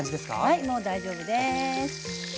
はいもう大丈夫です。